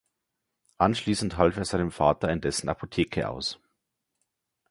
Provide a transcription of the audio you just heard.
Anschließend half er seinem Vater in dessen Apotheke aus.